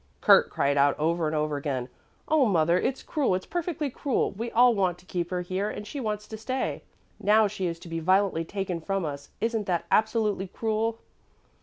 Kurt cried out over and over again, "Oh, mother, it's cruel, it's perfectly cruel! We all want to keep her here and she wants to stay. Now she is to be violently taken from us. Isn't that absolutely cruel?"